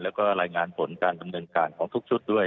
และรายงานผลการสำเร็จการของทุกชุดด้วย